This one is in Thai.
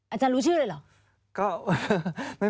อาจารย์รู้ชื่อเลยเหรอ